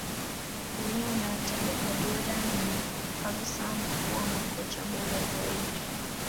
dunia inawataja guardiola na ferguson kuwa makocha bora zaidi